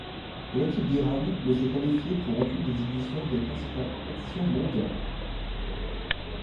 L'équipe d'Iran ne s'est qualifiée pour aucune des éditions des principales compétitions mondiales.